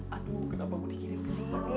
aduh kenapa aku dikirim ke sini